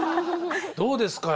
どうですか？